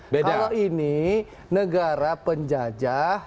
kalau ini negara penjajah